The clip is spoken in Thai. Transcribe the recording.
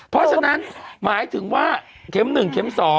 เพราะฉะนั้นหมายถึงว่าเข็ม๑เข็ม๒